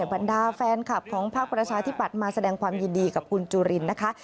บรรดาแฟนคลับของพักประชาธิบัติมาแสดงความยินดีกับคุณจุรินนะคะ